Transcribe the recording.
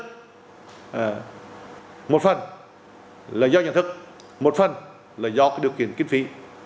thứ hai là cái ý thức và cái nhận thức một phần là do cái điều kiện kiếm phí